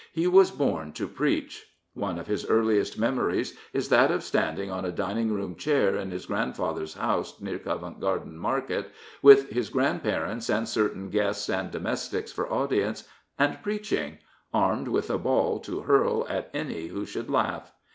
He was born to preach. One of his earliest memories is that of standing on a dining room chair in his grandfather's house near Covent Garden Market, with his grandparents and certain guests and domestics for audience, and preach ing, armed with a ball to hurl at any who should laugh.